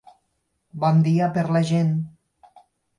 Bon dia per la gent.